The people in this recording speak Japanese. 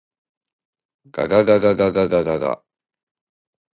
ががががががが。